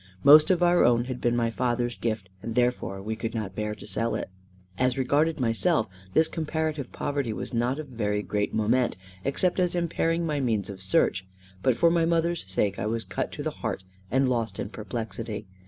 Most of our own had been my father's gift, and therefore we could not bear to sell it. As regarded myself, this comparative poverty was not of very great moment, except as impairing my means of search; but for my mother's sake I was cut to the heart, and lost in perplexity.